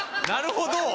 なるほど！